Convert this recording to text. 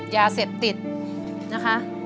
ยาเสพติดนะคะ